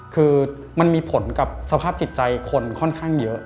คือมันมีผลกับสภาพจิตใจคนค่อนข้างเยอะ